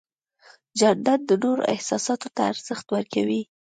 جانداد د نورو احساساتو ته ارزښت ورکوي.